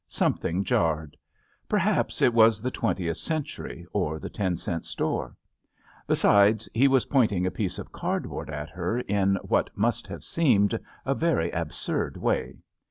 Something jarred. Perhaps it was the twentieth century or the ten cent store. Besides, he was pointing a piece of cardboard at her in, what must have seemed, a very ab surd way.